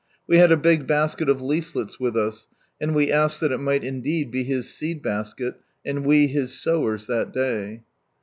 We had a big basket of leaflets with us, and we asked thai ii might indeed be His seed basket, and we His sowers that day.